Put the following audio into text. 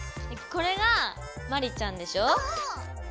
これがヒマリちゃんでしょ。